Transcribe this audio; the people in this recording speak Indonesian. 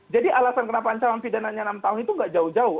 jadi alasan kenapa ancaman pidananya enam tahun itu nggak jauh jauh